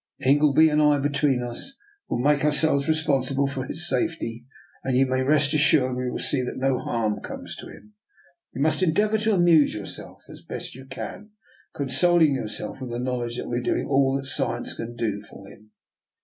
Ingleby and I, between us, will make ourselves responsible for his safety, and you may rest assured we will see that no harm comes to him. You must endeavour to amuse yourself as best you can, consoling yourself with the knowledge that we are doing all that science can do for him."